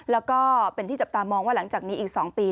แล้วก็เป็นที่จับตามองว่าหลังจากนี้อีก๒ปี